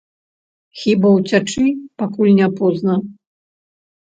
Хіба ўцячы, пакуль не позна?